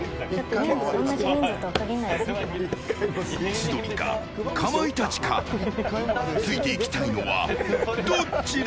千鳥か、かまいたちかついていきたいのは、どっちだ？